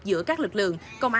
giữa các tàu cá và ngư dân vi phạm